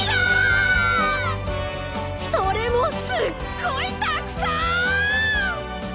それもすっごいたくさん！